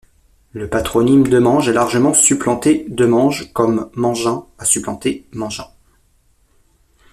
Le patronyme Demange a largement supplanté Demenge, comme Mangin a supplanté Mengin.